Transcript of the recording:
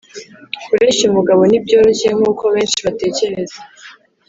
kureshya umugabo ntibyoroshye nk'uko benshi batekereza.